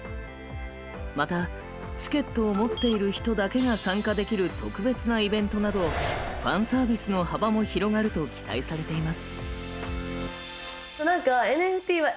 またチケットを持っている人だけが参加できる特別なイベントなどファンサービスの幅も広がると期待されています。